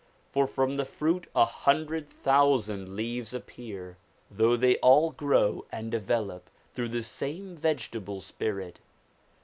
For from the fruit a hundred thousand leaves appear, though they all grow and develop through the same vegetable spirit.